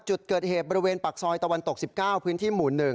จุดเกิดเหตุบริเวณปากซอยตะวันตก๑๙พื้นที่หมู่๑